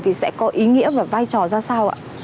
thì sẽ có ý nghĩa và vai trò ra sao ạ